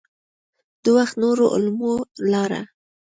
د وخت نورو علومو لاره.